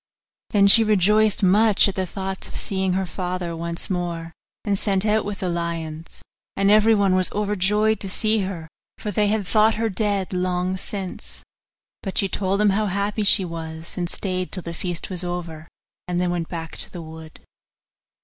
Then she rejoiced much at the thoughts of seeing her father once more, and set out with the lions; and everyone was overjoyed to see her, for they had thought her dead long since. But she told them how happy she was, and stayed till the feast was over, and then went back to the wood.